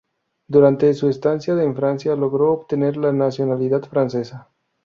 Durante su estancia en Francia, logró obtener la nacionalidad francesa.